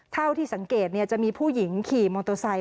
เท่าที่สังเกตจะมีผู้หญิงขี่มอเตอร์ไซค